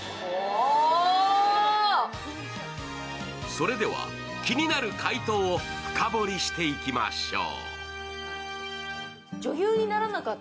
それでは気になる回答を深掘りしていきましょう。